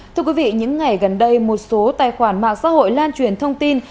thưa quý vị những ngày gần đây một số tài khoản mạng xã hội lan truyền thông tin